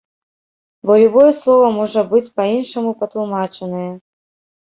Бо любое слова можа быць па-іншаму патлумачанае.